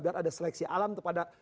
biar ada seleksi alam kepada